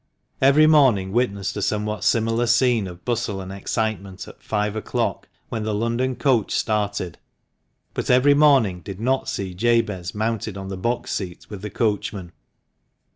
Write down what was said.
Every morning witnessed a somewhat similar scene of bustle and excitement at five o'clock, when the London coach started, but every morning did not see Jabez mounted on the box seat with the coachman.